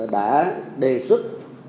đã đề xuất